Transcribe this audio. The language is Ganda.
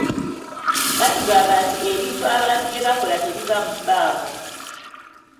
Batugamba nti ebintu abantu bye bakola tebiva mu bbanga.